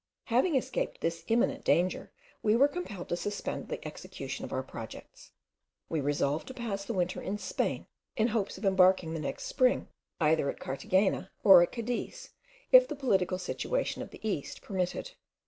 Having escaped this imminent danger, we were compelled to suspend the execution of our projects. We resolved to pass the winter in Spain, in hopes of embarking the next spring, either at Carthagena, or at Cadiz, if the political situation of the East permitted.